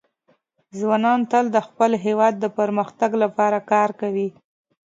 ځوانان تل د خپل هېواد د پرمختګ لپاره کار کوي.